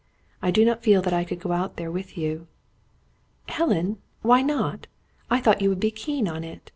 I do not feel that I could go out there with you." "Helen! Why not? I thought you would be keen on it.